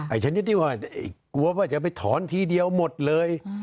ชนิดดีกว่ากลัวว่าจะไปถอนทีเดียวหมดเลย